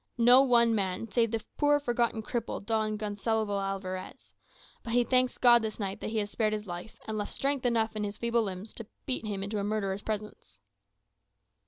No one man, save the poor forgotten cripple, Don Gonsalvo Alvarez. But he thanks God this night that he has spared his life, and left strength enough in his feeble limbs to bear him into a murderer's presence."